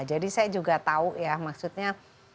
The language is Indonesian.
jadi saya juga tahu ya maksudnya